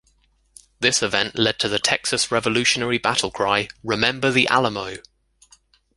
This event led to the Texas Revolutionary battle cry Remember the Alamo!